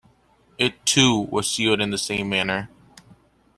It too was sealed in the same manner.